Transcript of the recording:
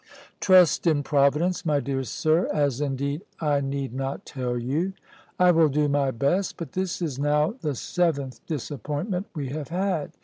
Trust in Providence, my dear sir; as indeed I need not tell you." "I will do my best; but this is now the seventh disappointment we have had.